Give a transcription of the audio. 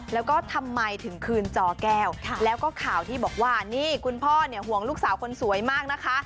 แล้วก็ทำไมถึงคืนจอแก้วแล้วก็ข่าวที่บอกว่านี่คุณพ่อเนี่ยห่วงลูกสาวคนสวยมากนะคะ